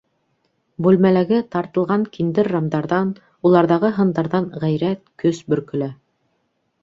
Бүлмәләге тартылған киндер-рамдарҙан, уларҙағы һындарҙан ғәйрәт, көс бөркөлә.